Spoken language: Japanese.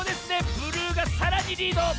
ブルーがさらにリード。